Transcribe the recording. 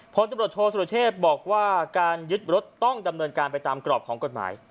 ผลตำรวจโทษสุรเชษบอกว่าการยึดรถต้องดำเนินการไปตามกรอบของกฎหมาย